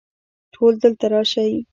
ټول دلته راشئ